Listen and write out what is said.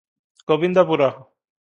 Gobindpur.